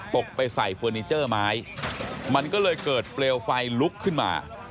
ไปใส่เฟอร์นิเจอร์ไม้มันก็เลยเกิดเปลวไฟลุกขึ้นมา